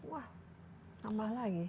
wah nambah lagi